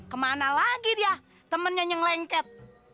kemana lagi dia temennya nyenglengket